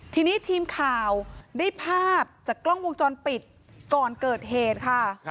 ทีนี้ทีมข่าวได้ภาพจากกล้องวงจรปิดก่อนเกิดเหตุค่ะ